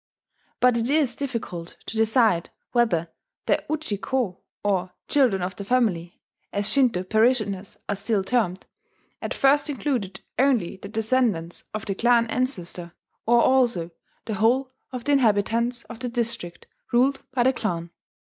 But it is difficult to decide whether the Uji ko, or "children of the family" (as Shinto parishioners are still termed) at first included only the descendants of the clan ancestor, or also the whole of the inhabitants of the district ruled by the clan.